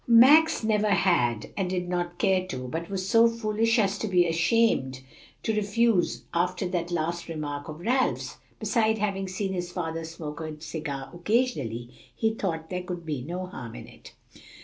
Max never had, and did not care to, but was so foolish as to be ashamed to refuse after that last remark of Ralph's; beside having seen his father smoke a cigar occasionally, he thought there could be no harm in it.